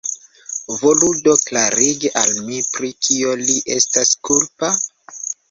Volu do klarigi al mi, pri kio li estas kulpa?